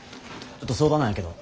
ちょっと相談なんやけど。